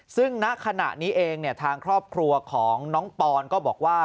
ซึ่งณขณะนี้เองทางครอบครัวของน้องปอนก็บอกว่า